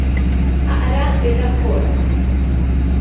Aqra r-rapport!